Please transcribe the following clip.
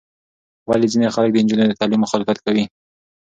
ولې ځینې خلک د نجونو د تعلیم مخالفت کوي؟